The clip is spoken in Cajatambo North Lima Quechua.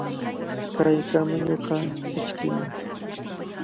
Kay kamiñuqa kichkimi.